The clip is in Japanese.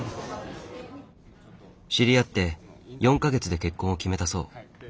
知り合って４か月で結婚を決めたそう。